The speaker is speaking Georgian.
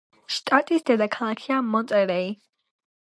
შტატის დედაქალაქია მონტერეი.